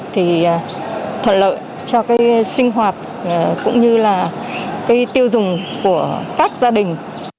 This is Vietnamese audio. thì thuận lợi cho cái sinh hoạt cũng như là cái tiêu dùng của các gia đình